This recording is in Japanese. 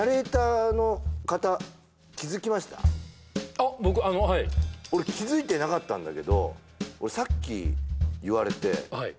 あっ僕あのはい俺気づいてなかったんだけど俺さっき言われてはい